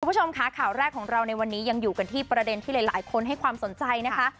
คุณผู้ชมค่ะข่าวแรกของเราในวันนี้ยังอยู่กันที่ประเด็นที่หลายคนให้ความสนใจนะคะ